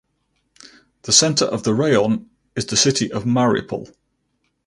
The center of the raion is the city of Mariupol.